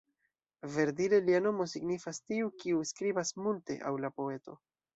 Verdire, lia nomo signifas "tiu kiu skribas multe" aŭ la poeto.